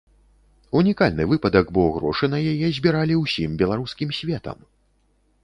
Унікальны выпадак, бо грошы на яе збіралі ўсім беларускім светам.